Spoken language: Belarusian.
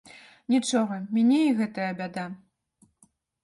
Нічога, міне і гэтая бяда.